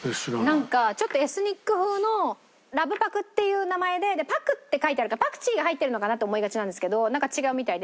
なんかちょっとエスニック風のラブパクっていう名前で「パク」って書いてあるからパクチーが入ってるのかな？って思いがちなんですけどなんか違うみたいで。